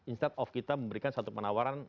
instead of kita memberikan satu penawaran